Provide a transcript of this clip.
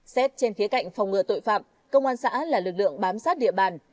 xét trên khía cạnh phòng ngừa tội phạm công an xã là lực lượng bám sát địa bàn